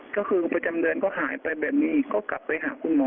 ก็คือประจำเดือนก็หายไปแบบนี้อีกก็กลับไปหาคุณหมอ